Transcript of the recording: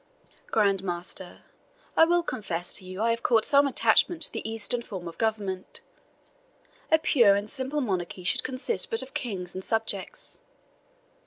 Grand Master, I will confess to you I have caught some attachment to the Eastern form of government a pure and simple monarchy should consist but of king and subjects.